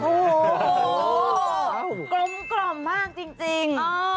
โอ้โหกลมมากจริง